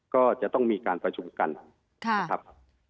ก็จะต้องมีการประชุมกันนะครับ